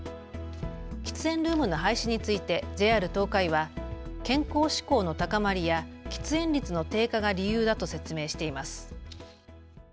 喫煙ルームの廃止についてＪＲ東海は健康志向の高まりや喫煙率の低下が理由だと説明しています。